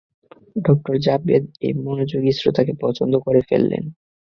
ডঃ জাবেদ এই মনোযোগী শ্রোতাকে পছন্দ করে ফেললেন।